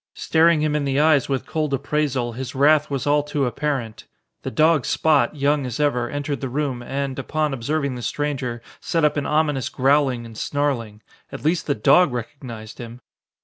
Staring him in the eyes with cold appraisal, his wrath was all too apparent. The dog Spot, young as ever, entered the room and, upon observing the stranger, set up an ominous growling and snarling. At least the dog recognized him!